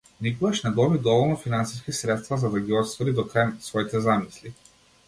Никогаш не доби доволно финансиски средства за да ги оствари до крај своите замисли.